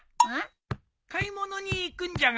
買い物に行くんじゃが一緒に。